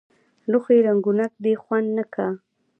لوښي رنګونک دي خوند نۀ که